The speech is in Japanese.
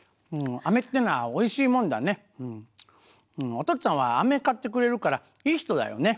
おとっつぁんはあめ買ってくれるからいい人だよね。